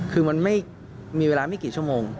คือมันไม่มีเวลาไม่กี่ชั่วโมง